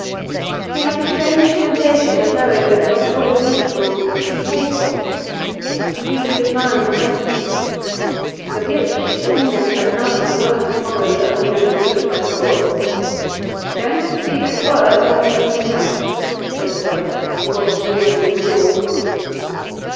He had the strange sensation of knowing that whatever was needful could be paid for; it relieved his mind immensely. To the rich, illness has none of the worst horrors only understood by the poor. 'Don't speak a word more than you can help,' said the doctor as he watched Reardon withdraw.